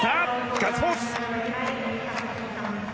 ガッツポーズ！